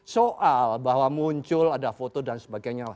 soal bahwa muncul ada foto dan sebagainya